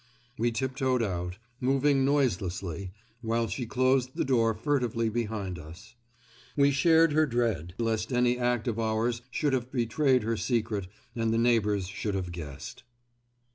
We tiptoed out, moving noiselessly, while she closed the door furtively behind us. We shared her dread lest any act of ours should have betrayed her secret and the neighbours should have guessed.